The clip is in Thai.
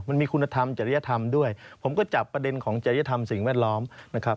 มันมีคุณธรรมจริยธรรมด้วยผมก็จับประเด็นของจริยธรรมสิ่งแวดล้อมนะครับ